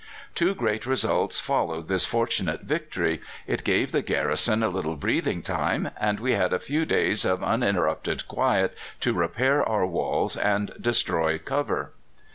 Two great results followed this fortunate victory: it gave the garrison a little breathing time, and we had a few days of uninterrupted quiet to repair our walls and destroy cover.